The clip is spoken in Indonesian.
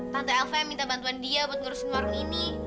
tante lvm minta bantuan dia buat ngurusin warung ini